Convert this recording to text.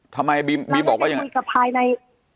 ทำไมบีมบอกว่ายังไง